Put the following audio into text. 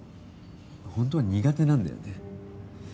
ほんとは苦手なんだよね。